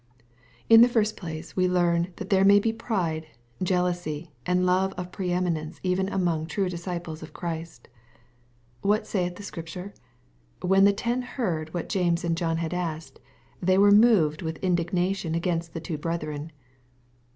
In the first place we learn, that tTiere may be pride, jealousy, and love of preeminence even among true disciples of Christ, Whatsaith the Scripture ? "When the ten heard" what James and John had asked, " they were moved with indignation against the two brethren."